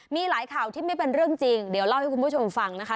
มีหลายข่าวที่ไม่เป็นเรื่องจริงเดี๋ยวเล่าให้คุณผู้ชมฟังนะคะ